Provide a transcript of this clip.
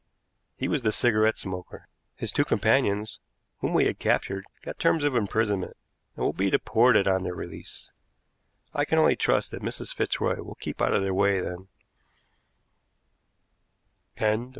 He was the cigarette smoker. His two companions whom we had captured got terms of imprisonment, and will be deported on their release. I can only trust that Mrs. Fitzroy will keep out of their way then.